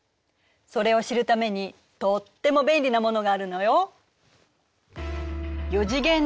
それを知るためにとっても便利なものがあるのよ。